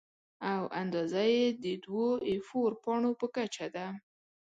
او اندازه یې د دوو اې فور پاڼو په کچه ده.